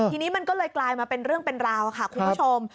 ทีนี้มันก็เลยกลายมาเป็นเรื่องเป็นราวค่ะคุณผู้ชม